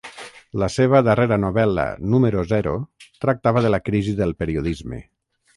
La seva darrera novel·la ‘Número Zero’ tractava de la crisi del periodisme.